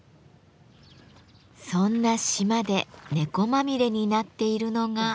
そんな島で猫まみれになっているのが。